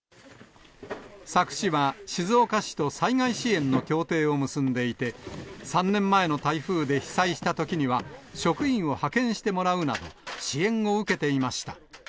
佐久市は静岡市と災害支援の協定を結んでいて、３年前の台風で被災したときには、職員を派遣してもらうなど、支援を受けていました。